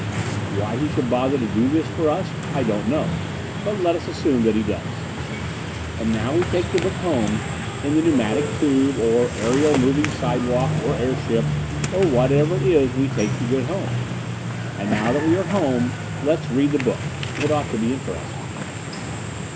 Why he should bother to do this for us I don't know; but let us assume that he does. And now we take the book home in the pneumatic tube, or aerial moving sidewalk, or airship, or whatever it is we take to get home. And now that we are home, let's read the book. It ought to be interesting.